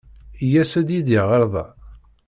I yas-d Yidir ɣer da?